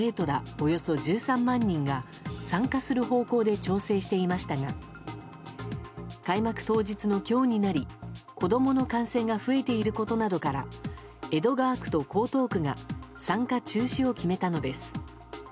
およそ１３万人が参加する方向で調整していましたが開幕当日の今日になり子供の感染が増えていることなどから江戸川区と江東区が参加中止を決めたのです。